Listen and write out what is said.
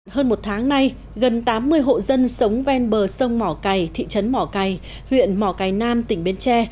hơn một tháng nay gần tám mươi hộ dân sống ven bờ sông mỏ cày thị trấn mỏ cày huyện mỏ cầy nam tỉnh bến tre